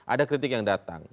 ada kritik yang datang